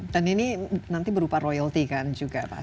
dan ini nanti berupa royalty kan juga